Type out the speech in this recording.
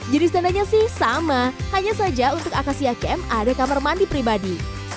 jenis tendanya sih sama hanya saja untuk akasia camp ada kamar mandi pribadi